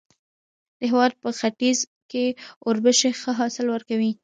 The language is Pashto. د هېواد په ختیځ کې اوربشې ښه حاصل ورکوي.